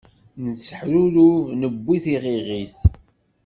Netteḥrurud newwi tiɣiɣit.